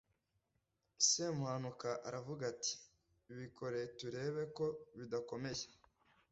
Semuhanuka aravuga ati : ““Bikore turebe ko bidakomeye.